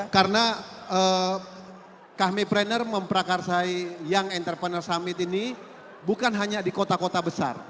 karena kahmi pranner memprakarsai young entrepreneur summit ini bukan hanya di kota kota besar